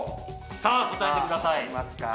さあ答えてください